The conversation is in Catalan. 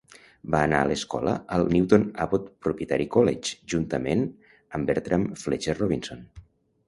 Va anar a escola al Newton Abbot Proprietary College juntament amb Bertram Fletcher Robinson.